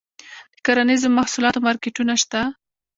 د کرنیزو محصولاتو مارکیټونه شته؟